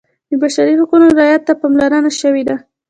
د بشري حقونو رعایت ته پاملرنه شوې ده.